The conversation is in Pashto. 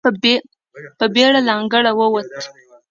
په بېړه له انګړه ووت.